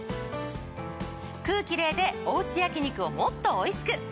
クーキレイでおうち焼き肉をもっとおいしく！